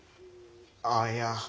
あっいや